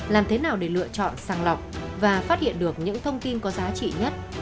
làm thế nào để lựa chọn sàng lọc và phát hiện được những thông tin có giá trị nhất